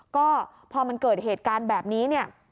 ก็พอมันเกิดเหตุการณ์แบบนี้เนี่ย